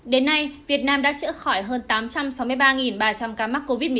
đến nay việt nam đã chữa khỏi hơn tám trăm sáu mươi ba ba trăm linh ca mắc covid một mươi chín